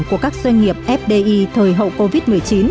của các doanh nghiệp fdi thời hậu covid một mươi chín